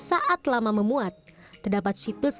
saat lama memuat terdapat situs